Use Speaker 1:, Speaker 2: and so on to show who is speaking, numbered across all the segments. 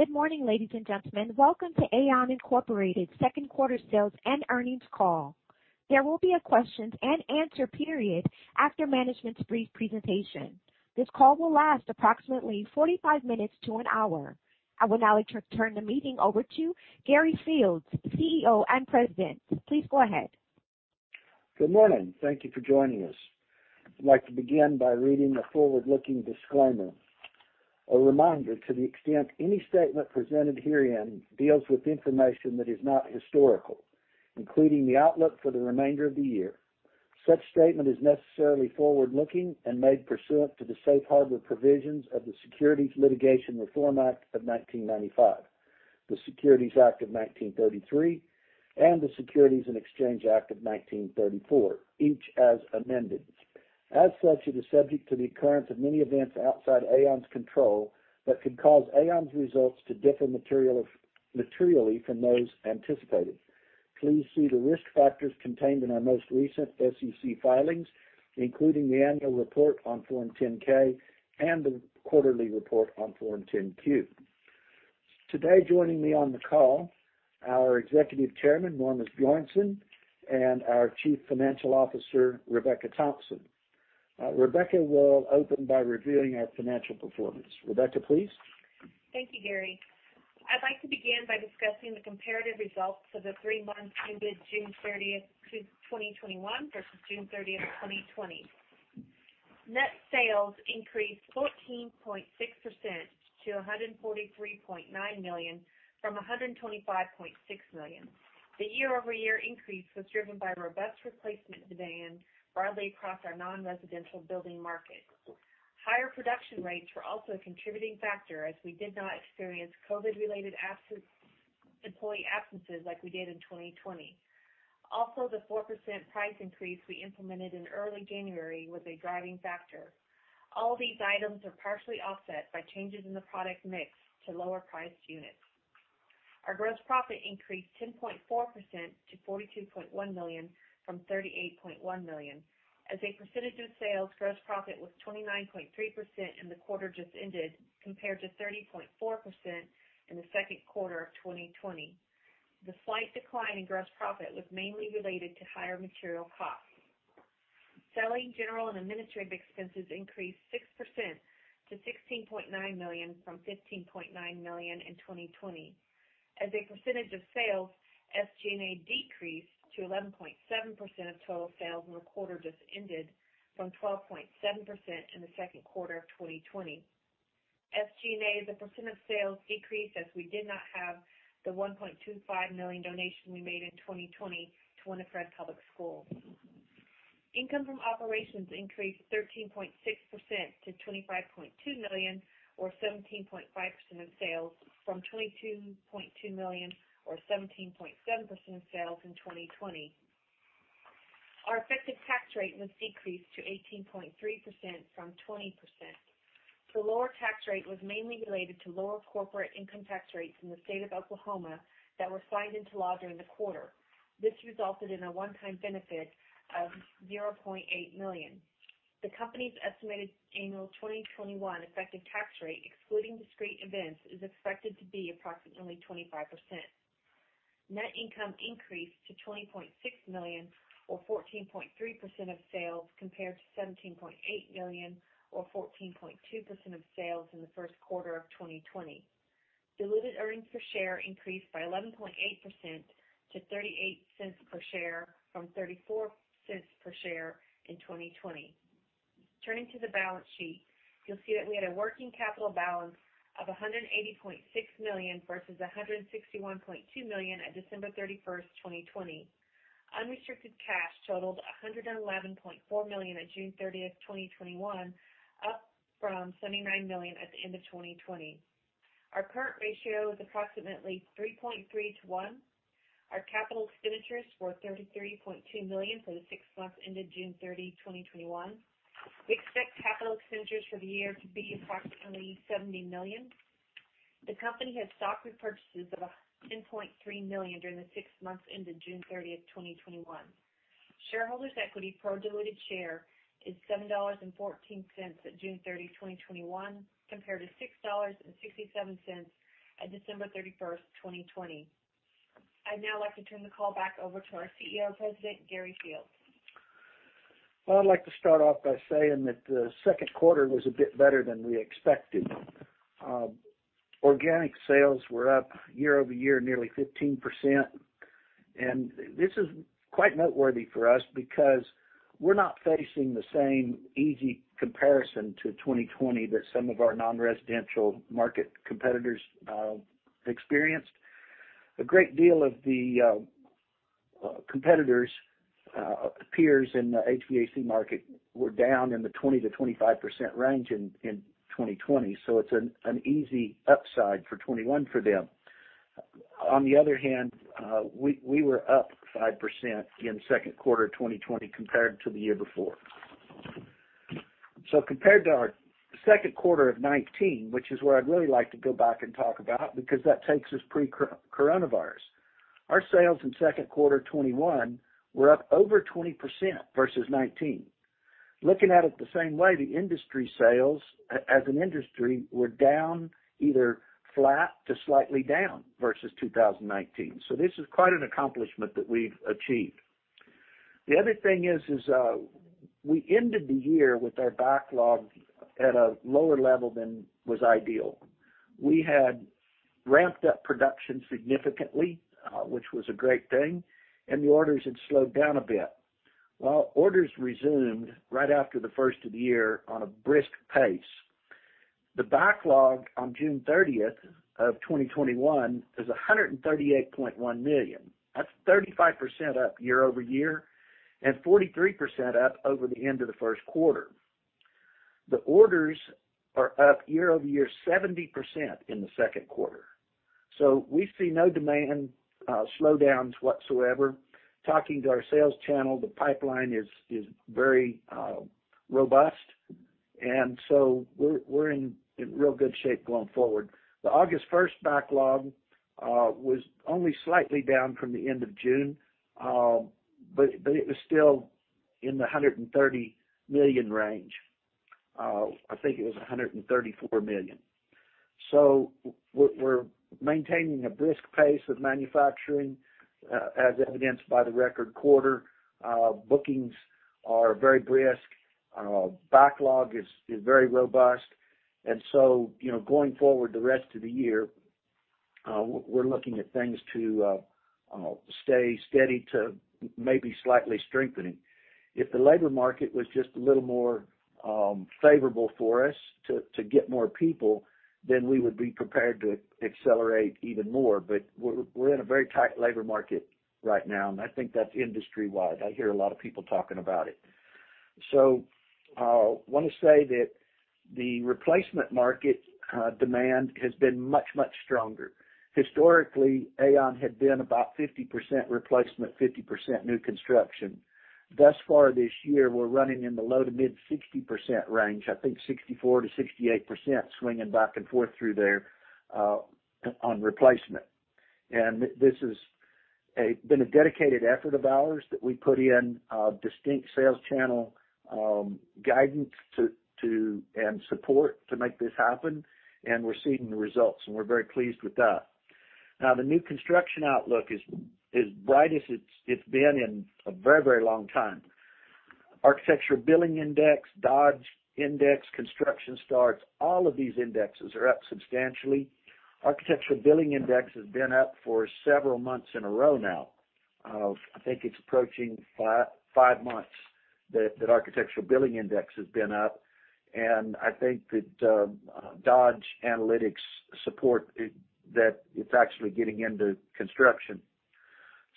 Speaker 1: Good morning, ladies and gentlemen. Welcome to AAON Incorporated's Second Quarter Sales and Earnings Call. There will be a question-and-answer period after management's brief presentation. This call will last approximately 45 minutes to an hour. I will now turn the meeting over to Gary Fields, CEO and President. Please go ahead.
Speaker 2: Good morning. Thank you for joining us. I'd like to begin by reading a forward-looking disclaimer. A reminder to the extent any statement presented herein deals with information that is not historical, including the outlook for the remainder of the year, such statement is necessarily forward-looking and made pursuant to the safe harbor provisions of the Private Securities Litigation Reform Act of 1995, the Securities Act of 1933, and the Securities Exchange Act of 1934, each as amended. As such, it is subject to the occurrence of many events outside AAON's control that could cause AAON's results to differ materially from those anticipated. Please see the risk factors contained in our most recent SEC filings, including the annual report on Form 10-K and the quarterly report on Form 10-Q. Today, joining me on the call, our Executive Chairman, Norman Asbjornson, and our Chief Financial Officer, Rebecca Thompson. Rebecca will open by reviewing our financial performance. Rebecca, please.
Speaker 3: Thank you, Gary. I'd like to begin by discussing the comparative results for the three months ended June 30th, 2021 versus June 30th, 2020. Net sales increased 14.6% to $143.9 million from $125.6 million. The year-over-year increase was driven by robust replacement demand broadly across our non-residential building market. Higher production rates were also a contributing factor as we did not experience COVID-related employee absences like we did in 2020. Also, the 4% price increase we implemented in early January was a driving factor. All these items are partially offset by changes in the product mix to lower-priced units. Our gross profit increased 10.4% to $42.1 million from $38.1 million. As a percentage of sales, gross profit was 29.3% in the quarter just ended, compared to 30.4% in the second quarter of 2020. The slight decline in gross profit was mainly related to higher material costs. Selling, general, and administrative expenses increased 6% to $16.9 million from $15.9 million in 2020. As a percentage of sales, SG&A decreased to 11.7% of total sales in the quarter just ended from 12.7% in the second quarter of 2020. SG&A as a % of sales decreased as we did not have the $1.25 million donation we made in 2020 to Winifred Public Schools. Income from operations increased 13.6% to $25.2 million or 17.5% of sales from $22.2 million or 17.7% of sales in 2020. Our effective tax rate was decreased to 18.3% from 20%. The lower tax rate was mainly related to lower corporate income tax rates in the state of Oklahoma that were signed into law during the quarter. This resulted in a one-time benefit of $0.8 million. The company's estimated annual 2021 effective tax rate, excluding discrete events, is expected to be approximately 25%. Net income increased to $20.6 million or 14.3% of sales compared to $17.8 million or 14.2% of sales in the first quarter of 2020. Diluted earnings per share increased by 11.8% to $0.38 per share from $0.34 per share in 2020. Turning to the balance sheet, you'll see that we had a working capital balance of $180.6 million versus $161.2 million at December 31st, 2020. Unrestricted cash totaled $111.4 million on June 30th, 2021, up from $79 million at the end of 2020. Our current ratio is approximately 3.3:1. Our capital expenditures were $33.2 million for the six months ended June 30, 2021. We expect capital expenditures for the year to be approximately $70 million. The company had stock repurchases of $10.3 million during the six months ended June 30th, 2021. Shareholders' equity per diluted share is $7.14 at June 30, 2021, compared to $6.67 at December 31st, 2020. I'd now like to turn the call back over to our CEO President, Gary Fields.
Speaker 2: Well, I'd like to start off by saying that the second quarter was a bit better than we expected. Organic sales were up year-over-year nearly 15%. This is quite noteworthy for us because we're not facing the same easy comparison to 2020 that some of our non-residential market competitors experienced. A great deal of the competitors, peers in the HVAC market were down in the 20%-25% range in 2020. It's an easy upside for 2021 for them. On the other hand, we were up 5% in the second quarter of 2020 compared to the year before. Compared to our second quarter of 2019, which is where I'd really like to go back and talk about, because that takes us pre-COVID. Our sales in second quarter 2021 were up over 20% versus 2019. Looking at it the same way, the industry sales, as an industry, were down, either flat to slightly down versus 2019. This is quite an accomplishment that we've achieved. The other thing is, we ended the year with our backlog at a lower level than was ideal. We had ramped up production significantly, which was a great thing, and the orders had slowed down a bit. Well, orders resumed right after the first of the year on a brisk pace. The backlog on June 30th of 2021 is $138.1 million. That's 35% up year-over-year and 43% up over the end of the first quarter. The orders are up year-over-year 70% in the second quarter. We see no demand slowdowns whatsoever. Talking to our sales channel, the pipeline is very robust. We're in real good shape going forward. The August 1st backlog was only slightly down from the end of June, but it was still in the $130 million range. I think it was $134 million. We're maintaining a brisk pace of manufacturing, as evidenced by the record quarter. Bookings are very brisk. Backlog is very robust. Going forward the rest of the year, we're looking at things to stay steady to maybe slightly strengthening. If the labor market was just a little more favorable for us to get more people, then we would be prepared to accelerate even more. We're in a very tight labor market right now, and I think that's industry-wide. I hear a lot of people talking about it. I want to say that the replacement market demand has been much, much stronger. Historically, AAON had been about 50% replacement, 50% new construction. Thus far this year, we're running in the low to mid 60% range, I think 64%-68%, swinging back and forth through there on replacement. This has been a dedicated effort of ours that we put in distinct sales channel guidance and support to make this happen, and we're seeing the results, and we're very pleased with that. Now, the new construction outlook is as bright as it's been in a very, very long time. Architecture Billings Index, Dodge Momentum Index, construction starts, all of these indexes are up substantially. Architecture Billings Index has been up for several months in a row now. I think it's approaching five months that Architecture Billings Index has been up, and I think that Dodge Data & Analytics support that it's actually getting into construction.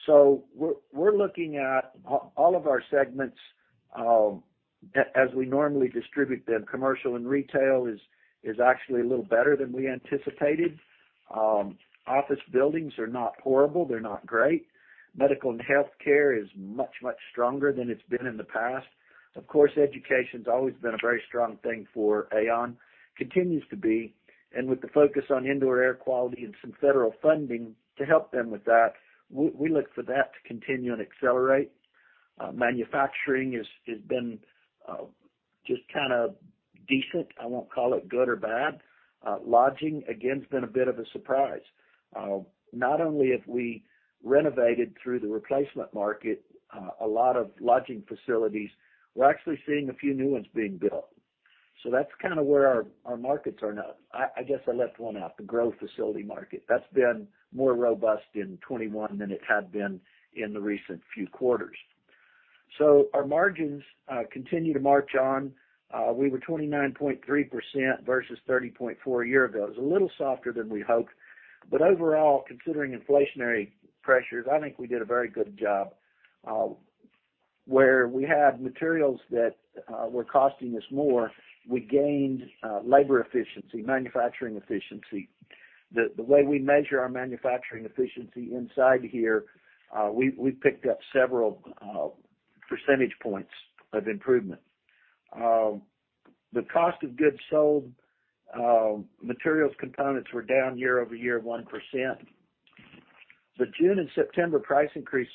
Speaker 2: We're looking at all of our segments as we normally distribute them. Commercial and retail is actually a little better than we anticipated. Office buildings are not horrible. They're not great. Medical and healthcare is much, much stronger than it's been in the past. Of course, education's always been a very strong thing for AAON. Continues to be. With the focus on indoor air quality and some federal funding to help them with that, we look for that to continue and accelerate. Manufacturing has been just kind of decent. I won't call it good or bad. Lodging, again, has been a bit of a surprise. Not only have we renovated through the replacement market, a lot of lodging facilities, we're actually seeing a few new ones being built. That's kind of where our markets are now. I guess I left one out, the grow facility market. That's been more robust in 2021 than it had been in the recent few quarters. Our margins continue to march on. We were 29.3% versus 30.4% a year ago. It was a little softer than we'd hoped. Overall, considering inflationary pressures, I think we did a very good job. Where we had materials that were costing us more, we gained labor efficiency, manufacturing efficiency. The way we measure our manufacturing efficiency inside here, we've picked up several percentage points of improvement. The cost of goods sold, materials components were down year-over-year 1%. The June and September price increase,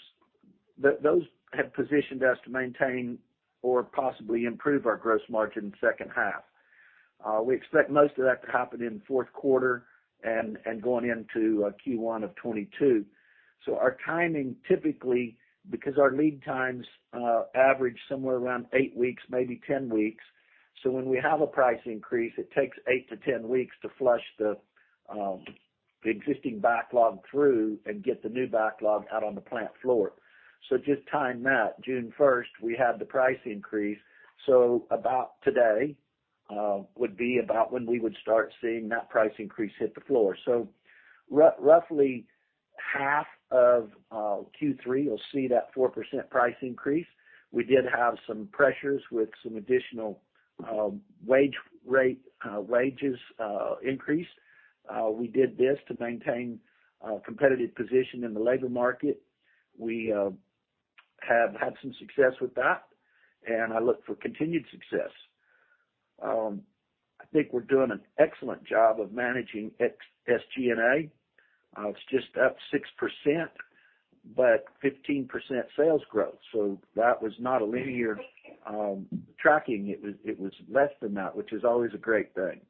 Speaker 2: those have positioned us to maintain or possibly improve our gross margin second half. We expect most of that to happen in the fourth quarter and going into Q1 of 2022. Our timing, typically, because our lead times average somewhere around eight weeks, maybe 10 weeks. When we have a price increase, it takes eight to 10 weeks to flush the existing backlog through and get the new backlog out on the plant floor. Just time that. June 1st, we had the price increase. About today would be about when we would start seeing that price increase hit the floor. Roughly half of Q3, you'll see that 4% price increase. We did have some pressures with some additional wages increase. We did this to maintain a competitive position in the labor market. We have had some success with that, and I look for continued success. I think we're doing an excellent job of managing SG&A. It's just up 6%, but 15% sales growth. That was not a linear tracking. It was less than that, which is always a great thing.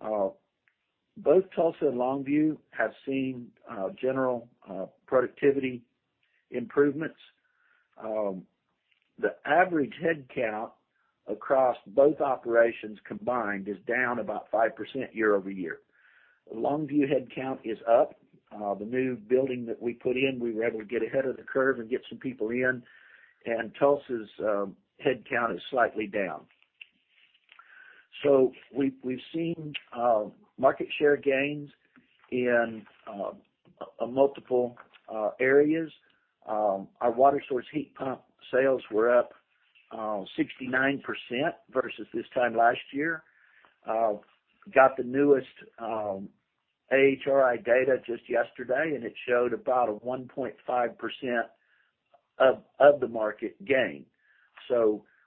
Speaker 2: Both Tulsa and Longview have seen general productivity improvements. The average headcount across both operations combined is down about 5% year-over-year. The Longview headcount is up. The new building that we put in, we were able to get ahead of the curve and get some people in, and Tulsa's headcount is slightly down. We've seen market share gains in multiple areas. Our water source heat pump sales were up 69% versus this time last year. Got the newest AHRI data just yesterday, and it showed about a 1.5% of the market gain.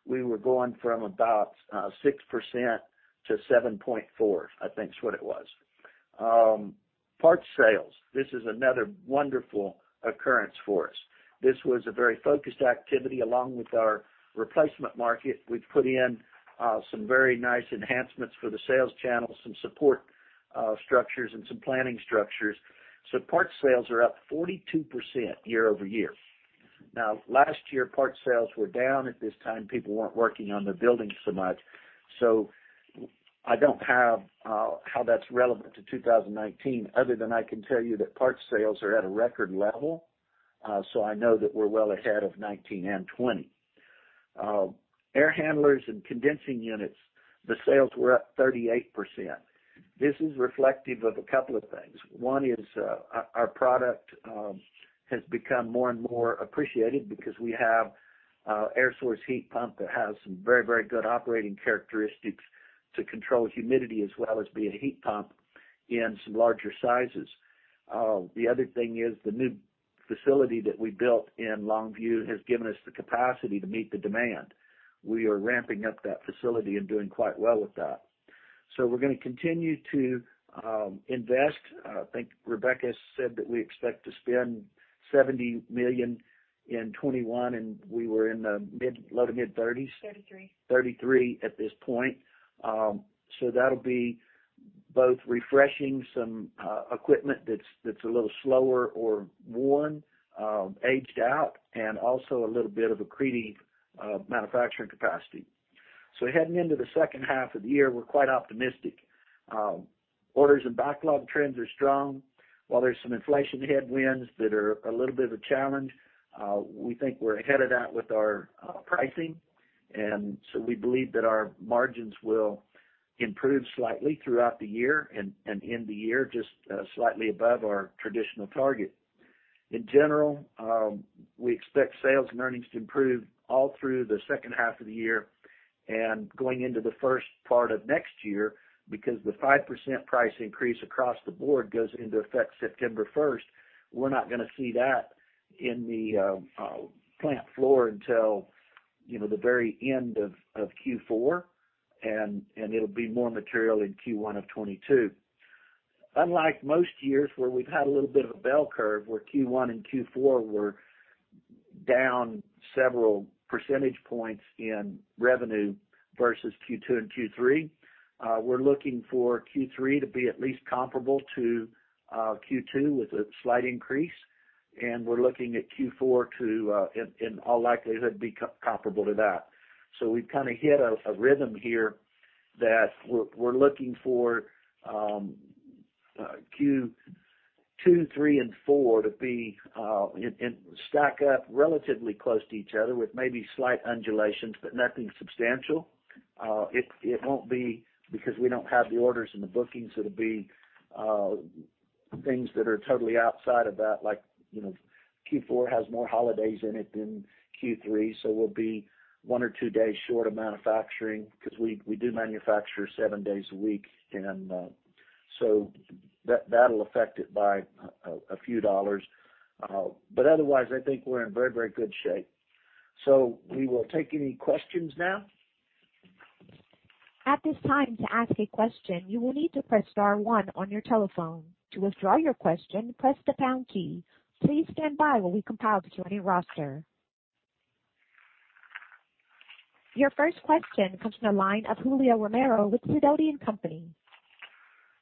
Speaker 2: We were going from about 6% to 7.4%, I think is what it was. Parts sales. This is another wonderful occurrence for us. This was a very focused activity. Along with our replacement market, we've put in some very nice enhancements for the sales channels, some support structures, and some planning structures. Parts sales are up 42% year-over-year. Last year, parts sales were down at this time. People weren't working on their buildings so much. I don't have how that's relevant to 2019, other than I can tell you that parts sales are at a record level. I know that we're well ahead of '19 and '20. Air handlers and condensing units, the sales were up 38%. This is reflective of a couple of things. One is, our product has become more and more appreciated because we have air source heat pump that has some very good operating characteristics to control humidity as well as be a heat pump in some larger sizes. The other thing is the new facility that we built in Longview has given us the capacity to meet the demand. We are ramping up that facility and doing quite well with that. We're going to continue to invest. I think Rebecca said that we expect to spend $70 million in 2021, and we were in the low to mid $30s.
Speaker 3: 33.
Speaker 2: 33 at this point. That'll be both refreshing some equipment that's a little slower or worn, aged out, and also a little bit of accreting manufacturing capacity. Heading into the second half of the year, we're quite optimistic. Orders and backlog trends are strong. While there's some inflation headwinds that are a little bit of a challenge, we think we're ahead of that with our pricing. We believe that our margins will improve slightly throughout the year and end the year just slightly above our traditional target. In general, we expect sales and earnings to improve all through the second half of the year and going into the first part of next year because the 5% price increase across the board goes into effect September 1st. We're not going to see that in the plant floor until the very end of Q4, and it'll be more material in Q1 of 2022. Unlike most years, where we've had a little bit of a bell curve where Q1 and Q4 were down several percentage points in revenue versus Q2 and Q3, we're looking for Q3 to be at least comparable to Q2 with a slight increase, and we're looking at Q4 to, in all likelihood, be comparable to that. We've kind of hit a rhythm here that we're looking for Q2, Q3, and Q4 to stack up relatively close to each other with maybe slight undulations, but nothing substantial. It won't be because we don't have the orders and the bookings. It'll be things that are totally outside of that, like Q4 has more holidays in it than Q3, so we'll be one or two days short of manufacturing because we do manufacture seven days a week, and so that'll affect it by a few dollars. Otherwise, I think we're in very good shape. We will take any questions now.
Speaker 1: At this time, to ask a question, you will need to press star one on your telephone. To withdraw your question, press the pound key. Your first question comes from the line of Julio Romero with Sidoti & Company.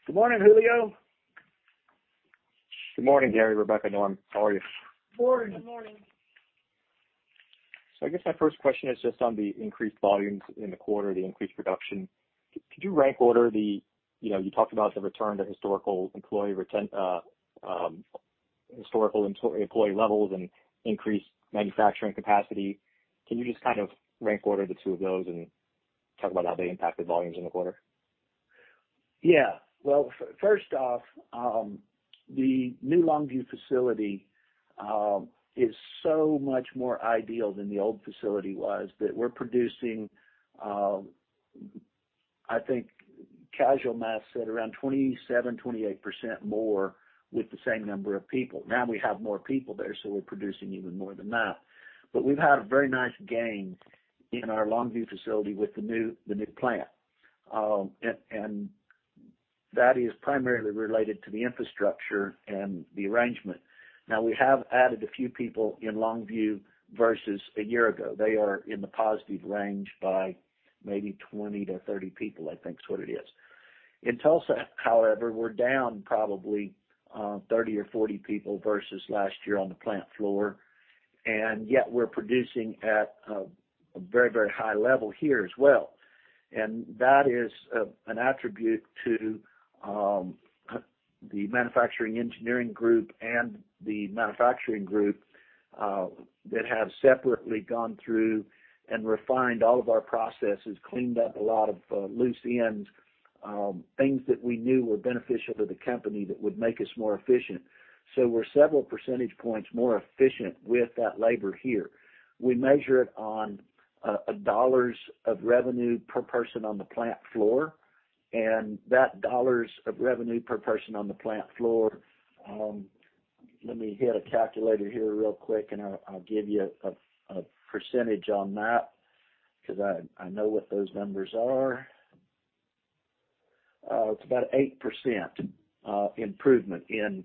Speaker 2: Good morning, Julio.
Speaker 4: Good morning, Gary, Rebecca, Norm. How are you?
Speaker 2: Morning.
Speaker 3: Good morning.
Speaker 4: I guess my first question is just on the increased volumes in the quarter, the increased production. You talked about the return to historical employee levels and increased manufacturing capacity. Can you just kind of rank order the two of those and talk about how they impacted volumes in the quarter?
Speaker 2: First off, the new Longview facility is so much more ideal than the old facility was that we're producing, I think casual math said around 27%, 28% more with the same number of people. We have more people there, we're producing even more than that. We've had a very nice gain in our Longview facility with the new plant. That is primarily related to the infrastructure and the arrangement. We have added a few people in Longview versus a year ago. They are in the positive range by maybe 20 to 30 people, I think is what it is. In Tulsa, however, we're down probably 30 or 40 people versus last year on the plant floor, yet we're producing at a very high level here as well. That is an attribute to the manufacturing engineering group and the manufacturing group, that have separately gone through and refined all of our processes, cleaned up a lot of loose ends, things that we knew were beneficial to the company that would make us more efficient. We're several percentage points more efficient with that labor here. We measure it on dollars of revenue per person on the plant floor, and that dollars of revenue per person on the plant floor, let me get a calculator here real quick, and I'll give you a percentage on that, because I know what those numbers are. It's about 8% improvement in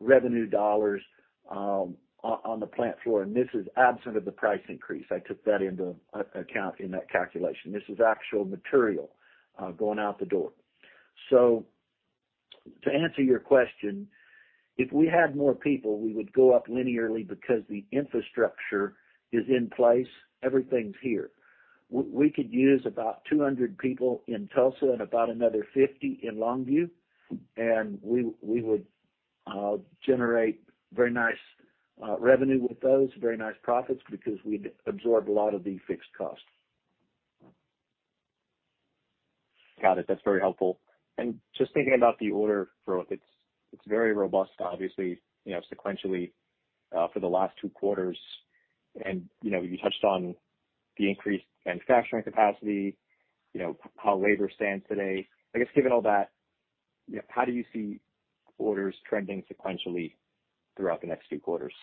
Speaker 2: revenue dollars on the plant floor, and this is absent of the price increase. I took that into account in that calculation. This is actual material going out the door. To answer your question, if we had more people, we would go up linearly because the infrastructure is in place. Everything's here. We could use about 200 people in Tulsa and about another 50 in Longview, we would generate very nice revenue with those, very nice profits, because we'd absorb a lot of the fixed costs.
Speaker 4: Got it. That's very helpful. Just thinking about the order growth, it's very robust, obviously, sequentially for the last two quarters. You touched on the increased manufacturing capacity, how labor stands today. I guess given all that, how do you see orders trending sequentially throughout the next few quarters?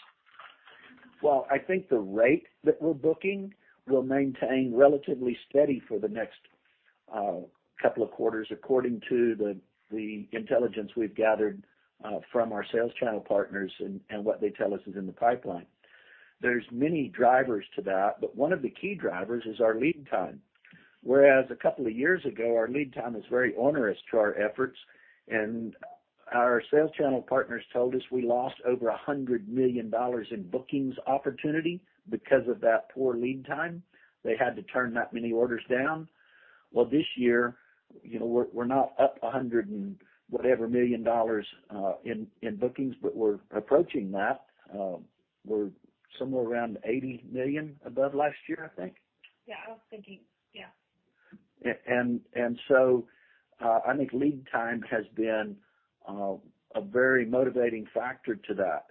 Speaker 2: Well, I think the rate that we're booking will maintain relatively steady for the next couple of quarters, according to the intelligence we've gathered from our sales channel partners and what they tell us is in the pipeline. There's many drivers to that. One of the key drivers is our lead time. Whereas a couple of years ago, our lead time was very onerous to our efforts. Our sales channel partners told us we lost over $100 million in bookings opportunity because of that poor lead time. They had to turn that many orders down. Well, this year, we're not up $100 and whatever million in bookings. We're approaching that. We're somewhere around $80 million above last year, I think.
Speaker 4: Yeah, I was thinking. Yeah.
Speaker 2: I think lead time has been a very motivating factor to that.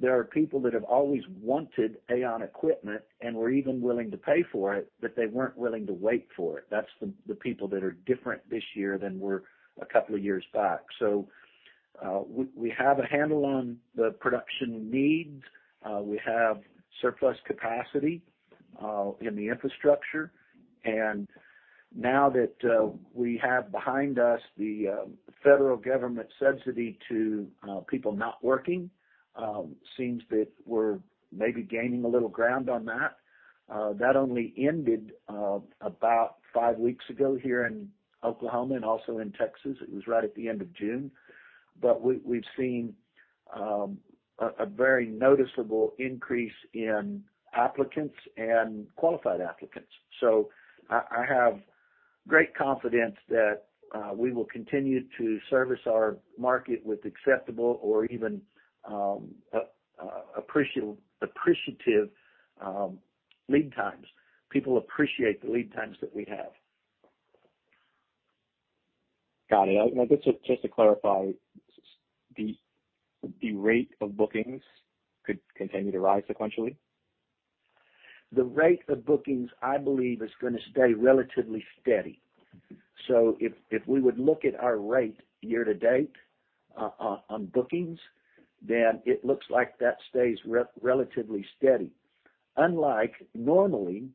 Speaker 2: There are people that have always wanted AAON equipment and were even willing to pay for it, but they weren't willing to wait for it. That's the people that are different this year than were a couple of years back. We have a handle on the production needs. We have surplus capacity in the infrastructure. Now that we have behind us the federal government subsidy to people not working, seems that we're maybe gaining a little ground on that. That only ended about five weeks ago here in Oklahoma and also in Texas. It was right at the end of June. We've seen a very noticeable increase in applicants and qualified applicants. I have great confidence that we will continue to service our market with acceptable or even appreciative lead times. People appreciate the lead times that we have.
Speaker 4: Got it. Just to clarify, the rate of bookings could continue to rise sequentially?
Speaker 2: The rate of bookings, I believe, is going to stay relatively steady. If we would look at our rate year to date on bookings, then it looks like that stays relatively steady. Unlike normally,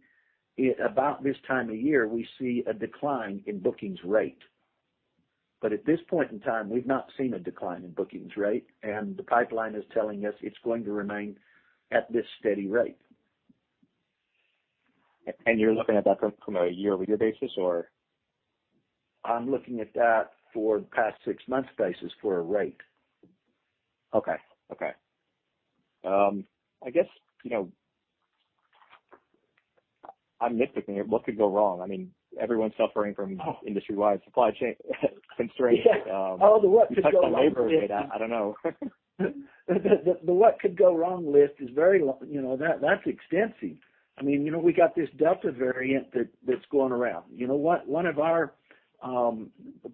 Speaker 2: about this time of year, we see a decline in bookings rate. At this point in time, we've not seen a decline in bookings rate, and the pipeline is telling us it's going to remain at this steady rate.
Speaker 4: You're looking at that from a year-over-year basis, or?
Speaker 2: I'm looking at that for past six months basis for a rate.
Speaker 4: Okay. I guess, basically, what could go wrong? Everyone's suffering from industry-wide supply chain constraints.
Speaker 2: Yeah. Oh, the what could go wrong list.
Speaker 4: I don't know.
Speaker 2: The what could go wrong list is very long. That's extensive. We got this Delta variant that's going around. One of the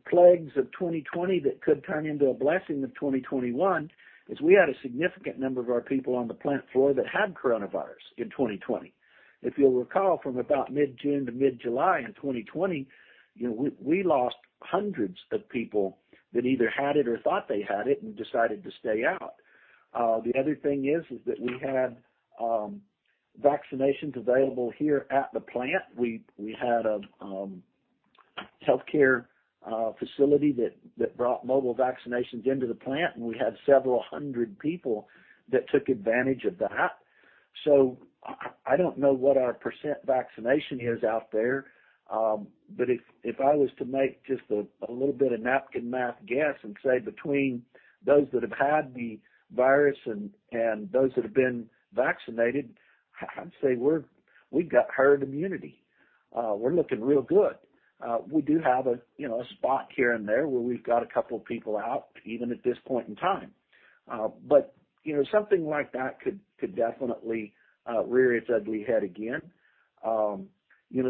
Speaker 2: plagues of 2020 that could turn into a blessing of 2021, is we had a significant number of our people on the plant floor that had coronavirus in 2020. If you'll recall, from about mid-June to mid-July in 2020, we lost hundreds of people that either had it or thought they had it and decided to stay out. The other thing is that we had vaccinations available here at the plant. We had a healthcare facility that brought mobile vaccinations into the plant, and we had several hundred people that took advantage of that. I don't know what our % vaccination is out there. If I was to make just a little bit of napkin math guess and say between those that have had the virus and those that have been vaccinated, I'd say we've got herd immunity. We're looking real good. We do have a spot here and there where we've got a couple of people out, even at this point in time. Something like that could definitely rear its ugly head again.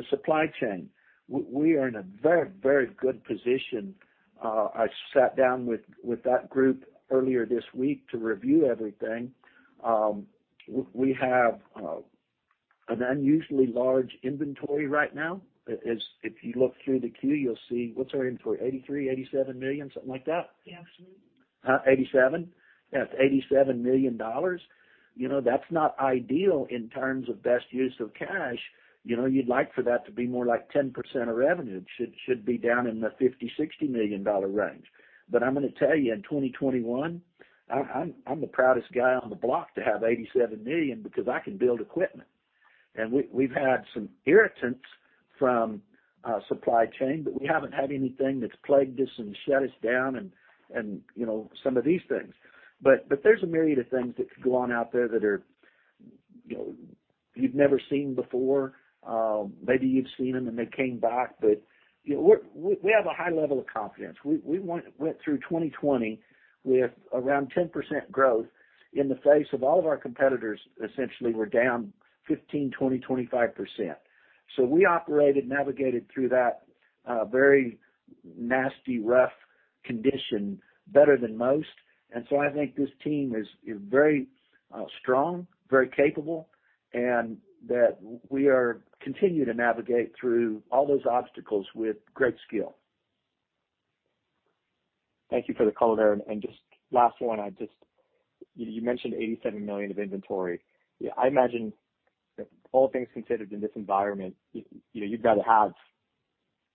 Speaker 2: Supply chain. We are in a very good position. I sat down with that group earlier this week to review everything. We have an unusually large inventory right now. If you look through the Q, you'll see, what's our inventory? $83 million, $87 million, something like that?
Speaker 3: Yes.
Speaker 2: $87? Yeah, $87 million. That's not ideal in terms of best use of cash. You'd like for that to be more like 10% of revenue. It should be down in the $50 million to $60 million range. I'm going to tell you, in 2021, I'm the proudest guy on the block to have $87 million, because I can build equipment. We've had some irritants from supply chain, but we haven't had anything that's plagued us and shut us down and some of these things. There's a myriad of things that could go on out there that you've never seen before. Maybe you've seen them, and they came back, but we have a high level of confidence. We went through 2020 with around 10% growth in the face of all of our competitors, essentially, were down 15%, 20%, 25%. We operated, navigated through that very nasty, rough condition better than most. I think this team is very strong, very capable, and that we continue to navigate through all those obstacles with great skill.
Speaker 4: Thank you for the color. Just last one. You mentioned $87 million of inventory. I imagine all things considered in this environment, you'd rather have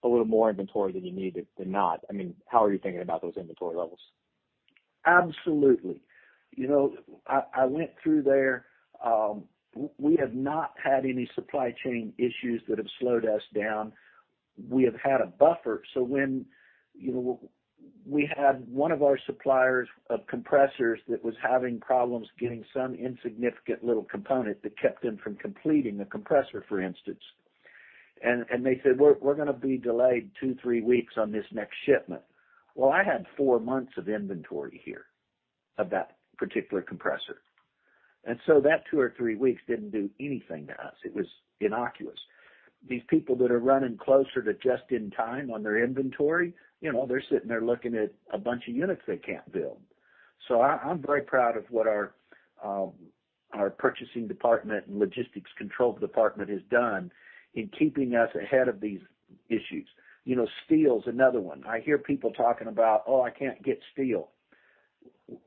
Speaker 4: a little more inventory than you need than not. How are you thinking about those inventory levels?
Speaker 2: Absolutely. I went through there. We have not had any supply chain issues that have slowed us down. We have had a buffer. We had one of our suppliers of compressors that was having problems getting some insignificant little component that kept them from completing the compressor, for instance. They said, "We're going to be delayed two, three weeks on this next shipment." Well, I had four months of inventory here of that particular compressor, that two or three weeks didn't do anything to us. It was innocuous. These people that are running closer to just in time on their inventory, they're sitting there looking at a bunch of units they can't build. I'm very proud of what our purchasing department and logistics control department has done in keeping us ahead of these issues. Steel's another one. I hear people talking about, "Oh, I can't get steel."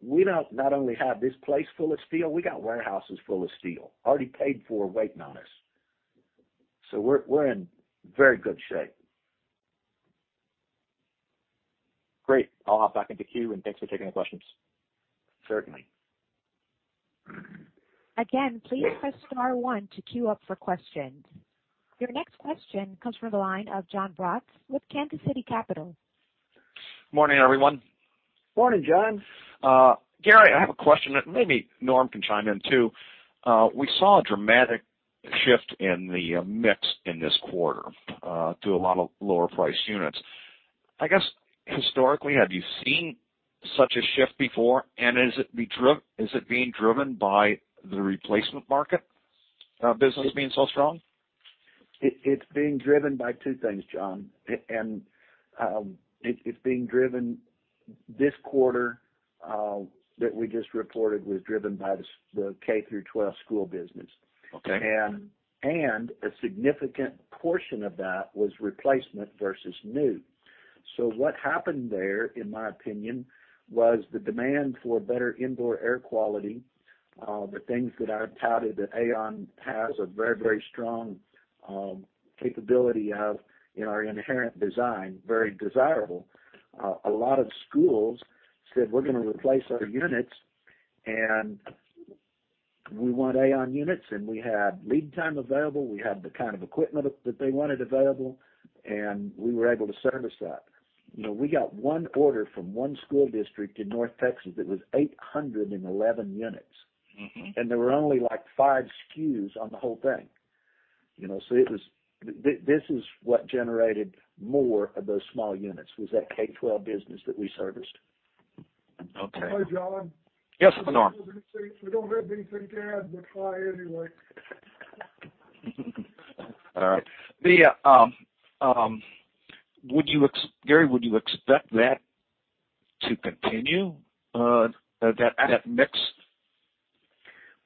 Speaker 2: We not only have this place full of steel, we got warehouses full of steel, already paid for, waiting on us. We're in very good shape.
Speaker 4: Great. I'll hop back in the queue and thanks for taking the questions.
Speaker 2: Certainly.
Speaker 1: Again, please press star one to queue up for questions. Your next question comes from the line of Jon Braatz with Kansas City Capital.
Speaker 5: Morning, everyone.
Speaker 2: Morning, Jon.
Speaker 5: Gary, I have a question that maybe Norm can chime in, too. We saw a dramatic shift in the mix in this quarter to a lot of lower-priced units. I guess historically, have you seen such a shift before? Is it being driven by the replacement market, business being so strong?
Speaker 2: It's being driven by two things, Jon, and it's being driven this quarter that we just reported, was driven by the K-12 school business.
Speaker 5: Okay.
Speaker 2: A significant portion of that was replacement versus new. What happened there, in my opinion, was the demand for better indoor air quality. The things that I've touted that AAON has a very strong capability of in our inherent design, very desirable. A lot of schools said, "We're going to replace our units, and we want AAON units." We had lead time available. We had the kind of equipment that they wanted available, and we were able to service that. We got one order from one school district in North Texas that was 811 units. There were only, like, 5 SKUs on the whole thing. This is what generated more of those small units, was that K-12 business that we serviced.
Speaker 6: Okay. Hi, Jon.
Speaker 5: Yes, Norman.
Speaker 6: We don't have anything to add, but hi anyway.
Speaker 5: Gary, would you expect that to continue, that mix?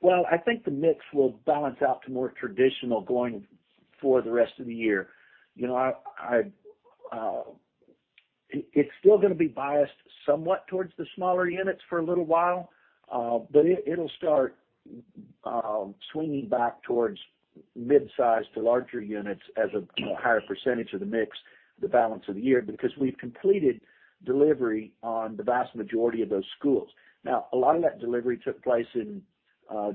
Speaker 2: Well, I think the mix will balance out to more traditional going for the rest of the year. It's still going to be biased somewhat towards the smaller units for a little while, but it'll start swinging back towards mid-size to larger units as a higher percentage of the mix the balance of the year, because we've completed delivery on the vast majority of those schools. A lot of that delivery took place in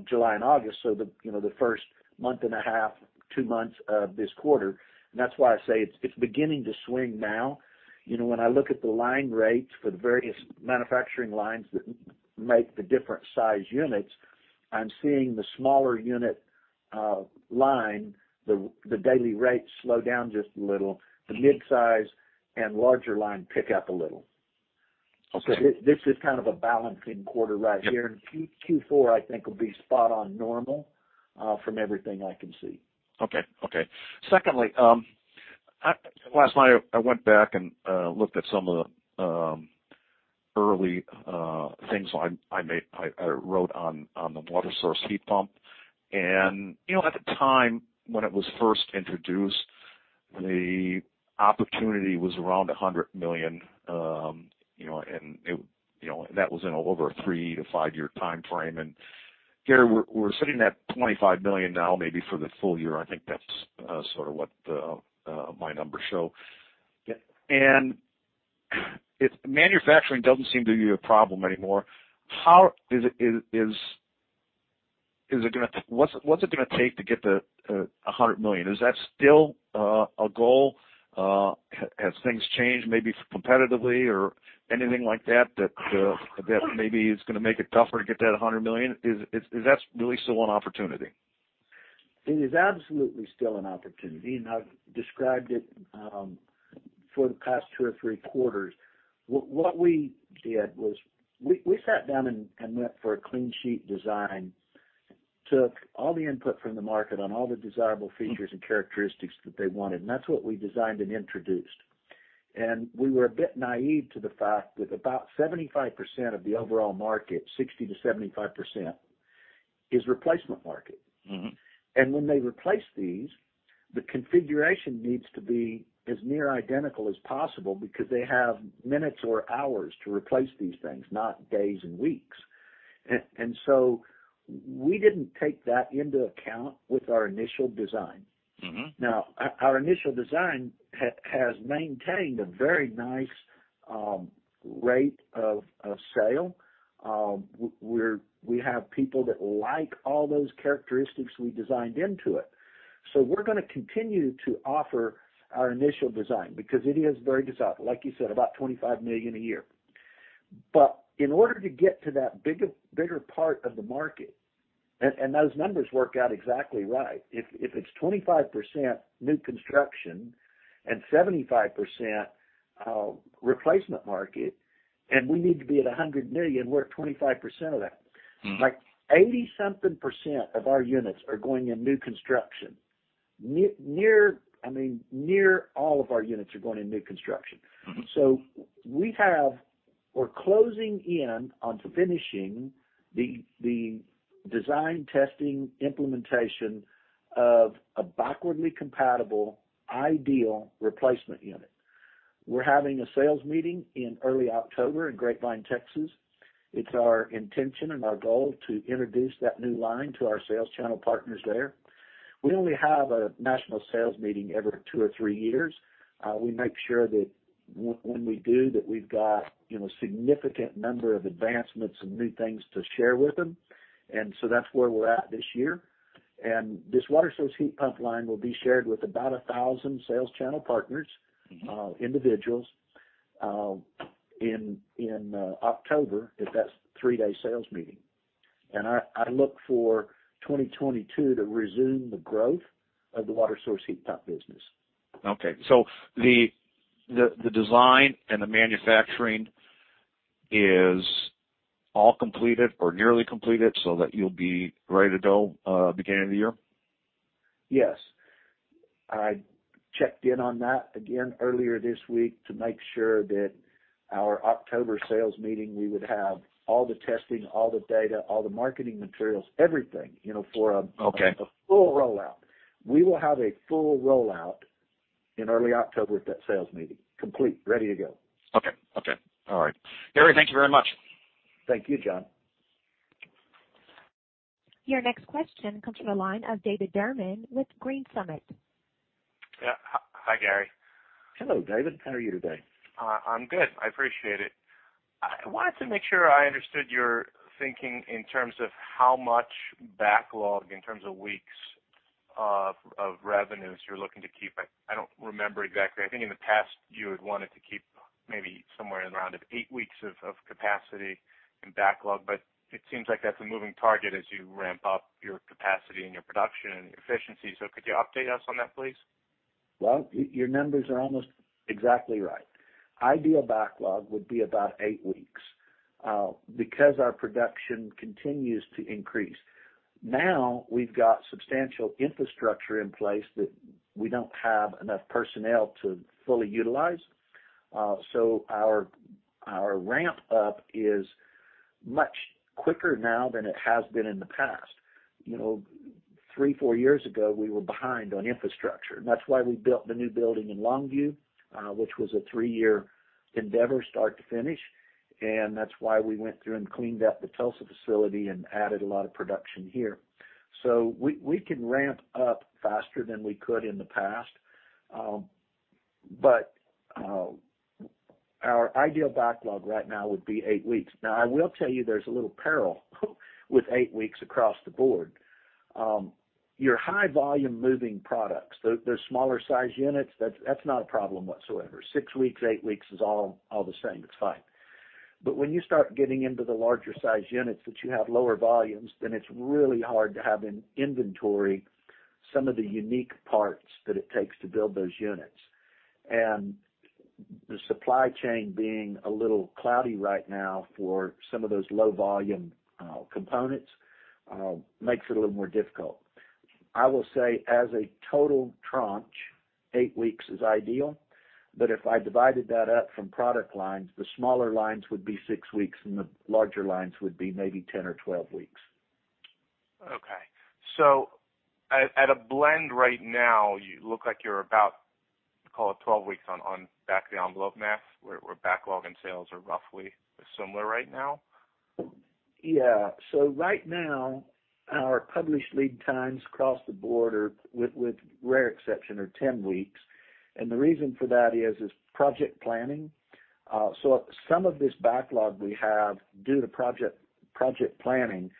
Speaker 2: July and August, so the first month and a half, two months of this quarter, and that's why I say it's beginning to swing now. When I look at the line rates for the various manufacturing lines that make the different size units, I'm seeing the smaller unit line, the daily rates slow down just a little. The mid-size and larger line pick up a little.
Speaker 5: Okay.
Speaker 2: This is kind of a balancing quarter right here. Q4, I think, will be spot on normal, from everything I can see.
Speaker 5: Secondly, last night, I went back and looked at some of the early things I wrote on the water-source heat pump. At the time when it was first introduced, the opportunity was around $100 million, and that was in over a three to five year timeframe. Gary, we're sitting at $25 million now maybe for the full year. I think that's sort of what my numbers show.
Speaker 2: Yeah.
Speaker 5: Manufacturing doesn't seem to be a problem anymore. What's it going to take to get to $100 million? Is that still a goal? Have things changed maybe competitively or anything like that maybe is going to make it tougher to get that $100 million? Is that really still an opportunity?
Speaker 2: It is absolutely still an opportunity, and I've described it for the past two or three quarters. What we did was we sat down and went for a clean sheet design, took all the input from the market on all the desirable features and characteristics that they wanted, and that's what we designed and introduced. We were a bit naive to the fact that about 75% of the overall market, 60%-75%, is replacement market. When they replace these, the configuration needs to be as near identical as possible because they have minutes or hours to replace these things, not days and weeks. We didn't take that into account with our initial design. Our initial design has maintained a very nice rate of sale. We have people that like all those characteristics we designed into it. We're going to continue to offer our initial design because it is very desirable, like you said, about $25 million a year. In order to get to that bigger part of the market, and those numbers work out exactly right. If it's 25% new construction and 75% replacement market, and we need to be at $100 million, we're at 25% of that. Like, 80-something% of our units are going in new construction. Near all of our units are going in new construction. We're closing in on finishing the design testing implementation of a backwardly compatible, ideal replacement unit. We're having a sales meeting in early October in Grapevine, Texas. It's our intention and our goal to introduce that new line to our sales channel partners there. We only have a national sales meeting every two or three years. We make sure that when we do, that we've got a significant number of advancements and new things to share with them. That's where we're at this year. This water source heat pump line will be shared with about 1,000 sales channel partners individuals in October at that three-day sales meeting. I look for 2022 to resume the growth of the water source heat pump business.
Speaker 5: Okay. The design and the manufacturing is all completed or nearly completed so that you'll be ready to go beginning of the year?
Speaker 2: Yes. I checked in on that again earlier this week to make sure that our October sales meeting, we would have all the testing, all the data, all the marketing materials, everything.
Speaker 5: Okay
Speaker 2: full rollout. We will have a full rollout in early October at that sales meeting. Complete, ready to go.
Speaker 5: Okay. All right. Gary, thank you very much.
Speaker 2: Thank you, Jon.
Speaker 1: Your next question comes from the line of David Derman with GreenSummit.
Speaker 7: Yeah. Hi, Gary.
Speaker 2: Hello, David. How are you today?
Speaker 7: I'm good. I appreciate it. I wanted to make sure I understood your thinking in terms of how much backlog in terms of weeks of revenues you're looking to keep. I don't remember exactly. I think in the past, you had wanted to keep maybe somewhere in the round of eight weeks of capacity and backlog, but it seems like that's a moving target as you ramp up your capacity and your production and your efficiency. Could you update us on that, please?
Speaker 2: Your numbers are almost exactly right. Ideal backlog would be about eight weeks. Our production continues to increase, now we've got substantial infrastructure in place that we don't have enough personnel to fully utilize. Our ramp-up is much quicker now than it has been in the past. three, four years ago, we were behind on infrastructure, and that's why we built the new building in Longview, which was a three-year endeavor start to finish, and that's why we went through and cleaned up the Tulsa facility and added a lot of production here. We can ramp up faster than we could in the past. Our ideal backlog right now would be 8 weeks. I will tell you, there's a little peril with eight weeks across the board. Your high volume moving products, those smaller size units, that's not a problem whatsoever. Six weeks, eight weeks is all the same. It's fine. When you start getting into the larger size units that you have lower volumes, then it's really hard to have in inventory some of the unique parts that it takes to build those units. The supply chain being a little cloudy right now for some of those low volume components, makes it a little more difficult. I will say as a total tranche, eight weeks is ideal, but if I divided that up from product lines, the smaller lines would be six weeks, and the larger lines would be maybe 10 or 12 weeks.
Speaker 7: Okay. At a blend right now, you look like you're about, call it 12 weeks on back of the envelope math, where backlog and sales are roughly similar right now?
Speaker 2: Yeah. Right now, our published lead times across the board are, with rare exception, are 10 weeks. The reason for that is project planning. Some of this backlog we have, due to project planning,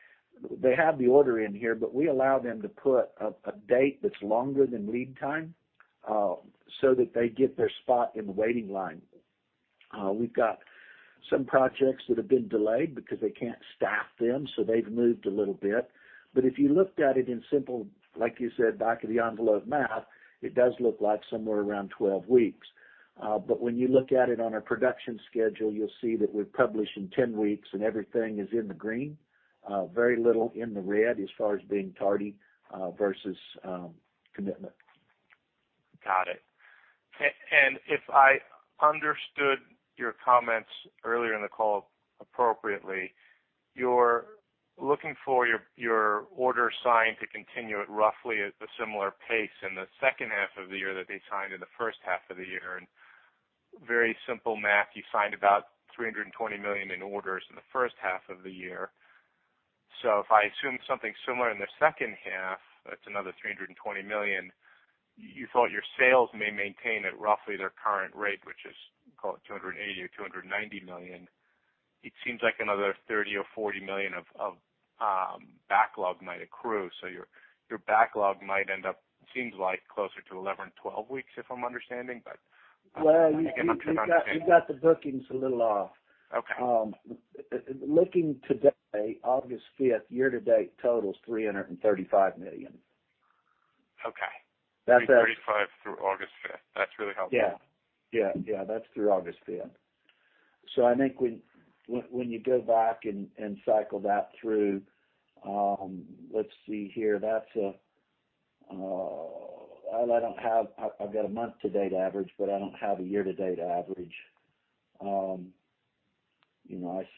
Speaker 2: they have the order in here. We allow them to put a date that's longer than lead time, so that they get their spot in the waiting line. We've got some projects that have been delayed because they can't staff them. They've moved a little bit. If you looked at it in simple, like you said, back of the envelope math, it does look like somewhere around 12 weeks. When you look at it on a production schedule, you'll see that we're published in 10 weeks. Everything is in the green. Very little in the red as far as being tardy, versus commitment.
Speaker 7: Got it. If I understood your comments earlier in the call appropriately, you're looking for your orders signed to continue at roughly a similar pace in the second half of the year that they signed in the first half of the year. Very simple math, you signed about $320 million in orders in the first half of the year. If I assume something similar in the second half, that's another $320 million. You thought your sales may maintain at roughly their current rate, which is, call it $280 million or $290 million. It seems like another $30 million or $40 million of backlog might accrue. Your backlog might end up, seems like, closer to 11-12 weeks, if I'm understanding.
Speaker 2: Well, you
Speaker 7: I'm trying to understand.
Speaker 2: you've got the bookings a little off.
Speaker 7: Okay.
Speaker 2: Looking today, August 5th, year-to-date totals $335 million.
Speaker 7: Okay.
Speaker 2: That's at
Speaker 7: 3:35 through August 5th. That's really helpful.
Speaker 2: Yeah. That's through August 5th. I think when you go back and cycle that through. Let's see here. I've got a month-to-date average, but I don't have a year-to-date average. I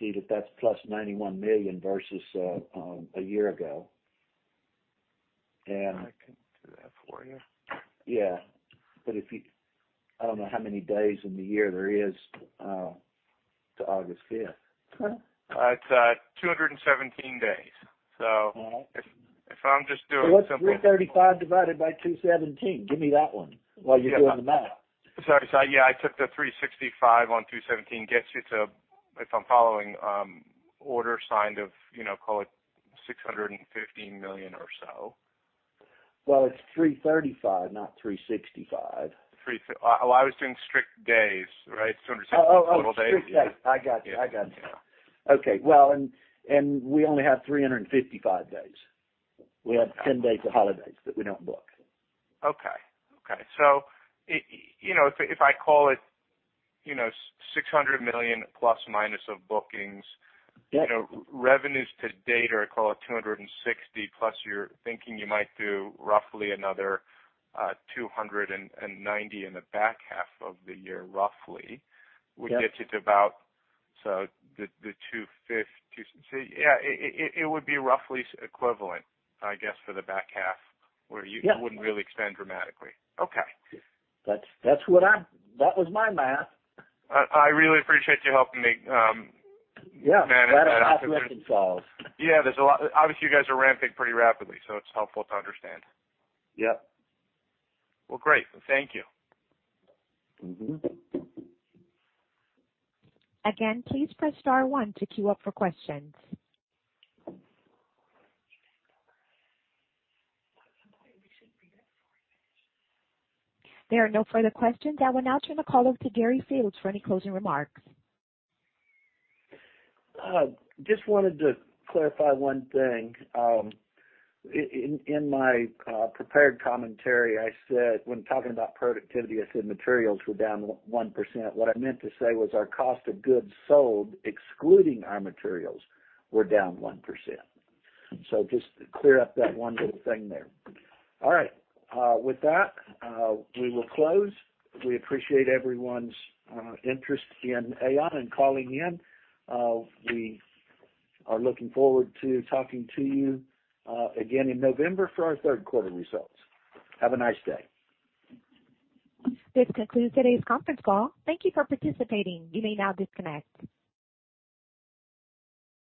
Speaker 2: see that that's plus $91 million versus a year ago.
Speaker 7: I can do that for you.
Speaker 2: Yeah. I don't know how many days in the year there is to August 5th.
Speaker 7: It's 217 days.
Speaker 2: All right.
Speaker 7: If I'm just doing simple
Speaker 2: What's 335 divided by 217? Give me that one while you're doing the math.
Speaker 7: Sorry. Yeah, I took the 365 on 217 gets you to, if I'm following order signed of, call it $615 million or so.
Speaker 2: Well, it's 335, not 365.
Speaker 7: I was doing strict days, right? 217 total days.
Speaker 2: Oh, strict days. I got you. Okay. Well, we only have 355 days. We have 10 days of holidays that we don't book.
Speaker 7: Okay. if I call it $600 million plus minus of bookings.
Speaker 2: Yeah.
Speaker 7: Revenues to date are, call it $260, plus you're thinking you might do roughly another $290 in the back half of the year, roughly.
Speaker 2: Yeah.
Speaker 7: Would get you to about, so the $250. Yeah, it would be roughly equivalent, I guess, for the back half.
Speaker 2: Yeah
Speaker 7: wouldn't really extend dramatically.
Speaker 2: Okay. That was my math.
Speaker 7: I really appreciate you helping me.
Speaker 2: Yeah
Speaker 7: manage that.
Speaker 2: That equation's solved.
Speaker 7: Yeah. Obviously, you guys are ramping pretty rapidly, so it's helpful to understand.
Speaker 2: Yep.
Speaker 7: Well, great. Thank you.
Speaker 1: Again, please press star one to queue up for questions. There are no further questions. I will now turn the call over to Gary Fields for any closing remarks.
Speaker 2: Just wanted to clarify one thing. In my prepared commentary, I said, when talking about productivity, I said materials were down 1%. What I meant to say was our cost of goods sold, excluding our materials, were down 1%. Just to clear up that one little thing there. All right. With that, we will close. We appreciate everyone's interest in AAON and calling in. We are looking forward to talking to you again in November for our third quarter results. Have a nice day.
Speaker 1: This concludes today's conference call. Thank you for participating. You may now disconnect.